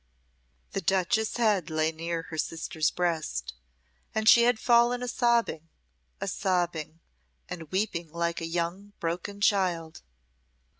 The duchess's head lay near her sister's breast, and she had fallen a sobbing a sobbing and weeping like a young broken child.